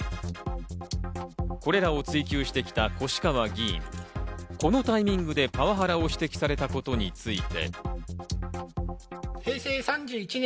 これらを追及してきた越川議員、このタイミングでパワハラを指摘されたことについて。